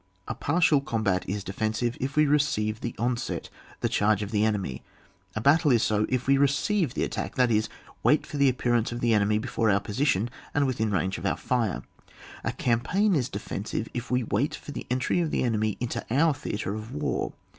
A partial combat is defen sive if we receive the onset, the charge of the enemy ; a battle is so if we receive the attack, that is, wait for the appear ' ance of the enemy before our position and within range of our fire ; a campaign is defensive if we wait for the entry of the enemy into our theatre of war.